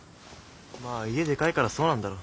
まあ家デカいからそうなんだろ。